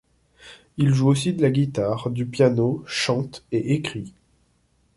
Il joue aussi de la guitare, du piano, chante, et écrit.